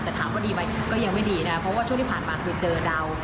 แต่ถามว่าดีไหมก็ยังไม่ดีนะเพราะว่าช่วงที่ผ่านมาคือเจอเรา